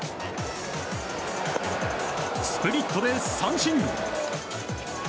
スプリットで三振。